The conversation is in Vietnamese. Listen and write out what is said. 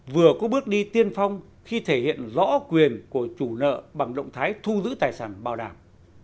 vừa có bước đi tiên phong khi thể hiện rõ quyền của chủ nợ bằng động thái thu giữ tài sản bảo đảm